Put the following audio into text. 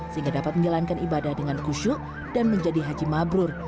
sehingga dapat menjalankan ibadah dengan kusyuk dan menjadi haji mabrur